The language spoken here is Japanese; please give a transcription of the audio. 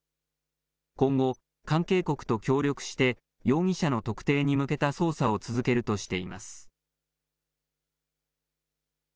今後、関係国と協力して、容疑者の特定に向けた捜査を続けるとしています。